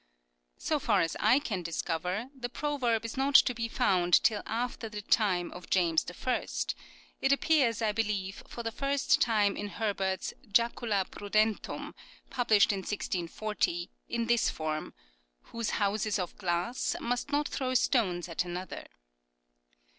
So far as I can discover, the proverb is not to be found till after the time of James I. ; it appears, I believe, for the first time in Herbert's " Jacula Prudentum," published in 1640, in this form :" Whose house is of glass, must not throw stones at another."